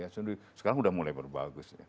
sekarang sudah mulai berbagus